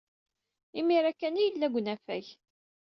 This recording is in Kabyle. Imir-a kan ay yella deg unafag.